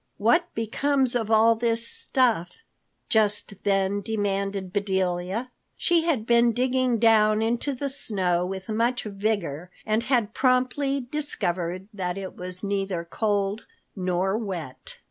"What becomes of all this stuff?" just then demanded Bedelia. She had been digging down into the snow with much vigor and had promptly discovered that it was neither cold nor wet.